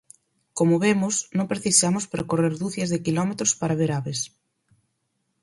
Como vemos, non precisamos percorrer ducias de quilómetros para ver aves.